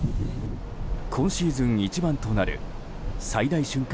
今シーズン一番となる最大瞬間